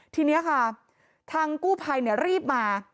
ทีนี้ค่ะทางกู้ภัยรีบมา